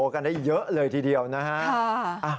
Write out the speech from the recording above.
กันได้เยอะเลยทีเดียวนะฮะ